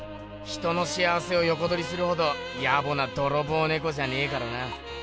人の幸せをよこどりするほどやぼな泥棒ねこじゃねえからな。